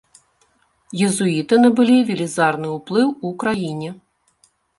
Езуіты набылі велізарны ўплыў у краіне.